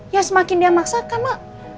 ya semakin dia maksat kan emak